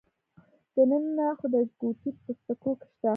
د ننه خدایګوټې په سکو کې شته